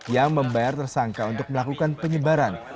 yang membayar tersangka untuk melakukan penyebaran